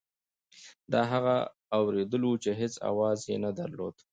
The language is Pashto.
دا هغه اورېدل وو چې هېڅ اواز یې نه درلود.